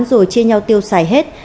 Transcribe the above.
rồi chia nhau tiêu xài hết